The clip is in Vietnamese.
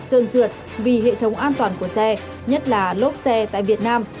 trơn trượt vì hệ thống an toàn của xe nhất là lốp xe tại việt nam